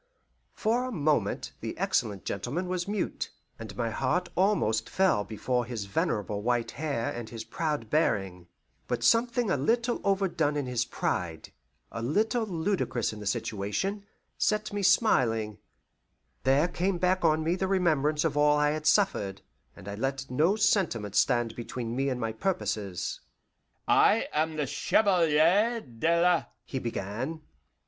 For a moment the excellent gentleman was mute, and my heart almost fell before his venerable white hair and his proud bearing; but something a little overdone in his pride, a little ludicrous in the situation, set me smiling; there came back on me the remembrance of all I had suffered, and I let no sentiment stand between me and my purposes. "I am the Chevalier de la " he began.